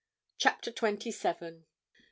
CHAPTER TWENTY SEVEN MR.